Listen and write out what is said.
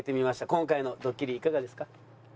今回のドッキリいかがですか？